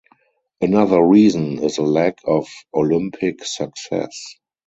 Another reason is the lack of olympic success.